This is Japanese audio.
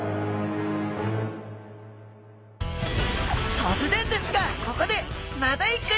とつぜんですがここでマダイ